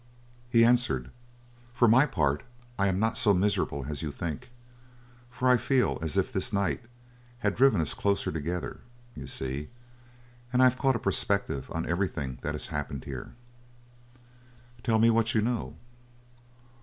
He answered: "For my part, I am not so miserable as you think. For I feel as if this night had driven us closer together, you see; and I've caught a perspective on everything that has happened here." "Tell me what you know."